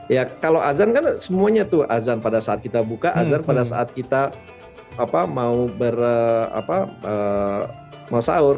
ya kalau azan kan semuanya tuh azan pada saat kita buka azan pada saat kita mau sahur